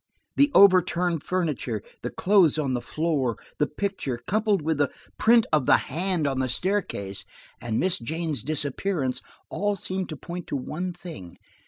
The overturned furniture, the clothes on the floor, the picture, coupled with the print of the hand on the staircase and Miss Jane's disappearance, all seemed to point to one thing.